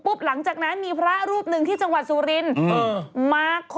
หลังจากนั้นมีพระรูปหนึ่งที่จังหวัดสุรินทร์